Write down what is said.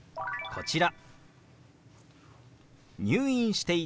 こちら。